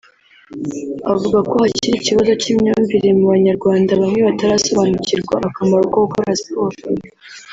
avuga ko hakiri ikibazo cy’imyumvire mu Banyarwanda bamwe batarasobanukirwa akamaro ko gukora siporo